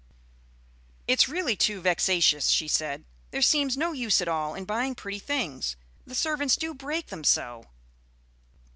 "It's really too vexatious," she said. "There seems no use at all in buying pretty things, the servants do break them so."